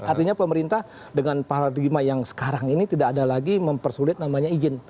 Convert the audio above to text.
artinya pemerintah dengan paradigma yang sekarang ini tidak ada lagi mempersulit namanya izin